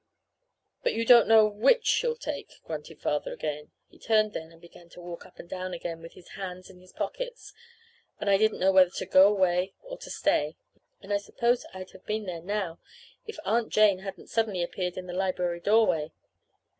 "But you don't know which she'll take," grunted Father again. He turned then, and began to walk up and down again, with his hands in his pockets; and I didn't know whether to go away or to stay, and I suppose I'd have been there now if Aunt Jane hadn't suddenly appeared in the library doorway.